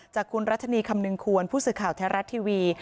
จากคุณรัชนีคำนึงควรผู้สื่อข่าวแท้รัฐทีวี